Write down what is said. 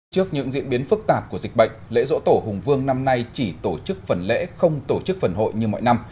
trước những diễn biến phức tạp của dịch bệnh lễ dỗ tổ hùng vương năm nay chỉ tổ chức phần lễ không tổ chức phần hội như mọi năm